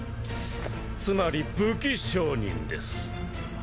つまり武器商人です。